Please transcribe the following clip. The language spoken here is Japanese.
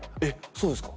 そうですか？